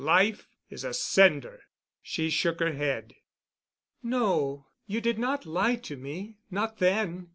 Life is a cinder." She shook her head. "No, you did not lie to me—not then.